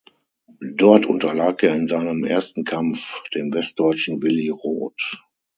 Dort unterlag er in seinem ersten Kampf dem Westdeutschen Willi Roth.